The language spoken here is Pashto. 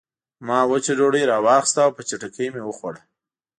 ما وچه ډوډۍ راواخیسته او په چټکۍ مې وخوړه